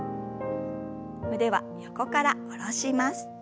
腕は横から下ろします。